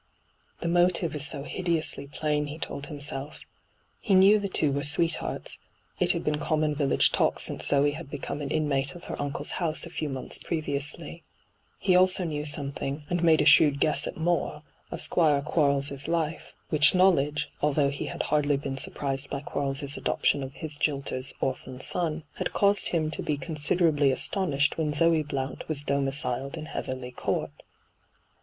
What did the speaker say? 'The motive is so hideously plain,' he told himself. He knew the two were sweethearts — it had been common village talk since Zoe had become an inmate of her uncle's house a few months previously. He also knew something, and made a shrewd guess at more, of Squire Quarles' life ; which knowledge, hyGoogIc 42 ENTRAPPED although he had hardly been surprised by Quarles' adoption of his jilter's orphan son, had caused him to be considerably astonished when Zoe Blount was domiciled in Heatherly Court.